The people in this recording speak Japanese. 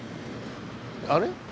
あれ？